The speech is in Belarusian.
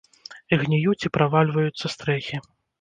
Гніюць і правальваюцца стрэхі.